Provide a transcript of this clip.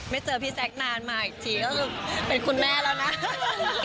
เจอพี่แซคนานมาอีกทีก็คือเป็นคุณแม่แล้วนะ